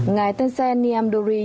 ngài tân sên niêm đô ri